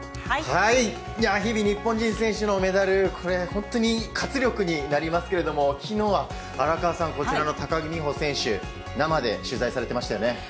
日々、日本人選手のメダル、これ、本当に活力になりますけれども、きのうは荒川さん、こちらの高木美帆選手、生で取材されてましたよね。